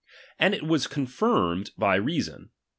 And it is confirmed by ( reason.